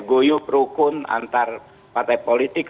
goyuk rukun antar partai politik